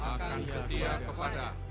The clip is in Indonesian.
akan setia kepada